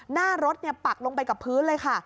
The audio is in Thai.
หน้ารถปักลงไปกับพื้นเลยค่ะ